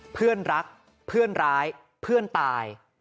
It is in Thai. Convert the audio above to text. เพื่อนรักเพื่อนร้ายเพื่อนตาย